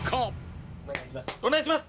お願いします！